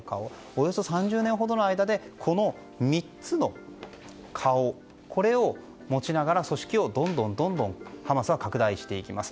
およそ３０年ほどの間でこの３つの顔を持ちながら組織をどんどんハマスは拡大していきます。